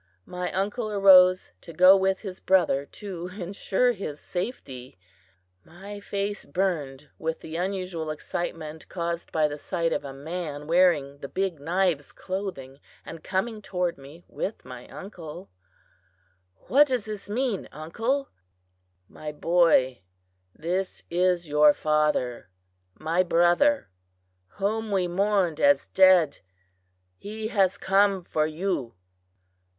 My uncle arose to go with his brother to insure his safety. My face burned with the unusual excitement caused by the sight of a man wearing the Big Knives' clothing and coming toward me with my uncle. "What does this mean, uncle?" "My boy, this is your father, my brother, whom we mourned as dead. He has come for you."